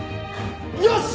よし！